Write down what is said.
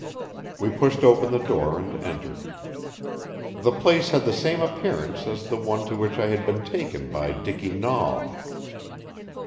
We pushed open the door and entered. The place had the same appearance as the one to which I had been taken by Dicky Nahl.